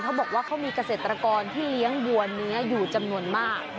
เขาบอกว่าเขามีเกษตรกรที่เลี้ยงบัวเนื้ออยู่จำนวนมาก